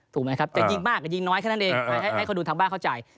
ถูกไหมครับจะยิงมากกับยิงน้อยแค่นั้นเองให้คนดูทางบ้านเข้าใจ